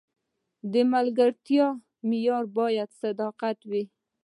د ملګرتیا معیار باید صداقت وي.